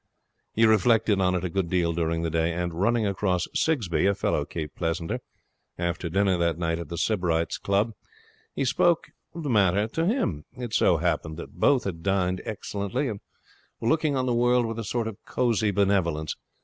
He reflected on it a good deal during the day, and, running across Sigsbee, a fellow Cape Pleasanter, after dinner that night at the Sybarites' Club, he spoke of the matter to him. It so happened that both had dined excellently, and were looking on the world with a sort of cosy benevolence.